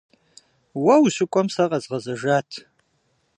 Уэ ущыкӏуэм сэ къэзгъэзэжат.